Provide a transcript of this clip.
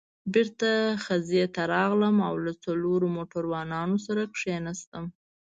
بېرته خزې ته راغلم او له څلورو موټروانانو سره کېناستم.